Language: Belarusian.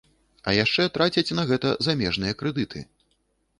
А яшчэ трацяць на гэта замежныя крэдыты.